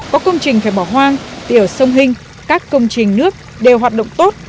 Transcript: có công trình phải bỏ hoang tiểu sông hình các công trình nước đều hoạt động tốt